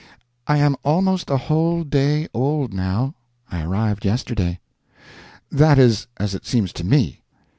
I am almost a whole day old, now. I arrived yesterday. That is as it seems to me.